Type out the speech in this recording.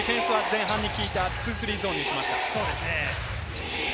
ディフェンスは前半に効いたツースリーゾーンにしました。